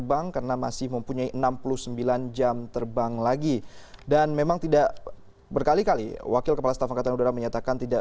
pak kalau kondisi jadi binasa sendiri apakah ada kesalahan atau kegiatan